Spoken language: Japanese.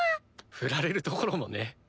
フラれるところもね。